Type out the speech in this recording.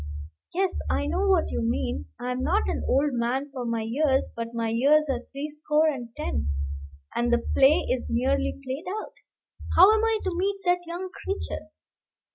Yes; I know what you mean. I am not an old man for my years; but my years are threescore and ten, and the play is nearly played out. How am I to meet that young creature?